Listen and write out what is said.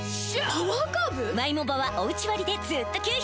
パワーカーブ⁉